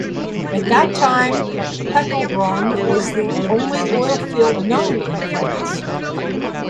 At that time, Pechelbronn was the only oil field known in France.